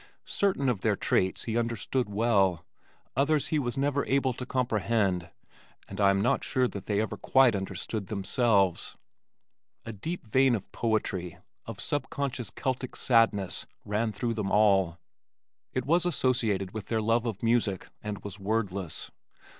Certain of their traits he understood well. Others he was never able to comprehend, and I am not sure that they ever quite understood themselves. A deep vein of poetry, of sub conscious celtic sadness, ran through them all. It was associated with their love of music and was wordless.